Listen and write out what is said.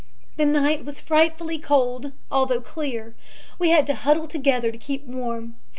"The night was frightfully cold, although clear. We had to huddle together to keep warm.